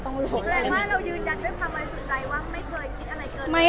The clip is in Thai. ก็เลยว่าเรายืนดันด้วยภารณาสุดใจว่าไม่เคยคิดอะไรเกินเลย